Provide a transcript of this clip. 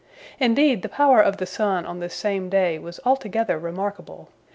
Indeed, the power of the sun on this same day was altogether remarkable.